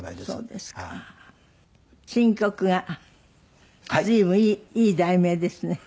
新曲が随分いい題名ですね。